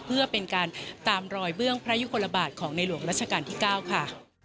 เพื่อเป็นการตามรอยเบื้องพระยุคลบาทของในหลวงรัชกาลที่๙ค่ะ